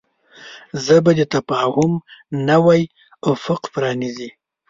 ژبه د تفاهم نوی افق پرانیزي